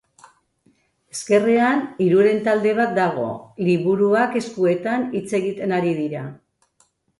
Ezkerrean hiruren talde bat dago, liburuak eskuetan hitz egiten ari dira.